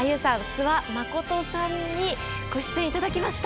諏訪理さんにご出演頂きました。